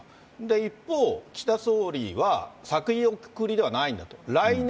一方、岸田総理は先送りではないんだと。